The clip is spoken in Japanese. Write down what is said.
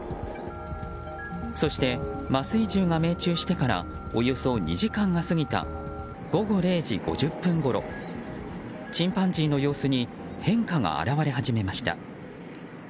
そして、麻酔銃が命中してからおよそ２時間が過ぎた午後０時５０分ごろチンパンジーの様子に変化が表れ始めました。